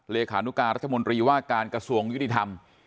เลขานุการรัฐมนตรีว่าการกระทรวงยุติธรรม